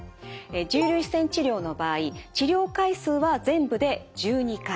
重粒子線治療の場合治療回数は全部で１２回。